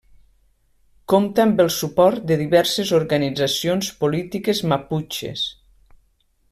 Compta amb el suport de diverses organitzacions polítiques maputxes.